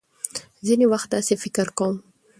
ځينې وخت داسې فکر کوم .